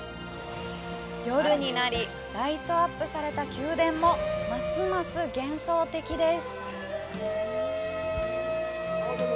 夜になりライトアップされた宮殿もますます幻想的です。